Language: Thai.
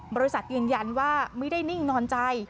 บริษัทยืนยันว่าไม่ได้นิ่งนอนใจ